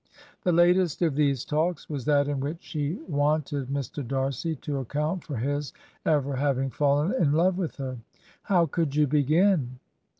The latesTof these talks was that in which she " wanted Mr. Darcy to account for his ever having fallen in love with her. 'How could you begin?